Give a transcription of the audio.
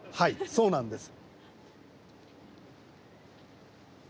そうなんです。